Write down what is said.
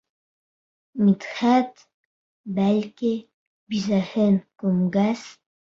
Мидхәт, бәлки, бисәһен күмгәс...